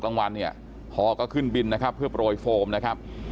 กลางวันเนี่ยพอก็ขึ้นบินนะครับเพื่อโปรยโฟมนะครับ